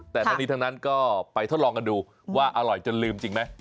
แต่ทั้งนี้ทั้งนั้นก็ไปทดลองกันดูว่าอร่อยจนลืมจริงไหม